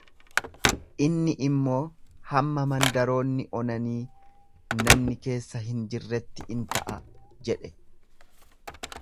Inni immoo hamma mandaroonni onanii namni keessa hin jirretti ta'a jedhe.